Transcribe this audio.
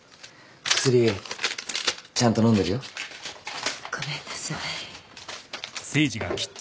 薬ちゃんと飲んでるよ。ごめんなさい。